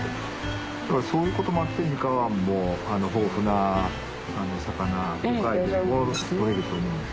そういうこともあって三河湾も豊富な魚魚介類も取れると思うんです。